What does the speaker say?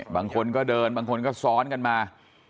บางคนก็เดินบางคนก็ซ้อนกันมา